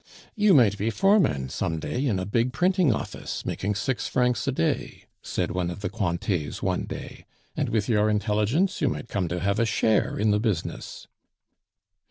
"You might be foreman some day in a big printing office, making six francs a day," said one of the Cointets one day, "and with your intelligence you might come to have a share in the business."